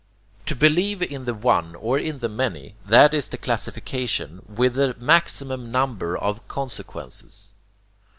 To believe in the one or in the many, that is the classification with the maximum number of consequences.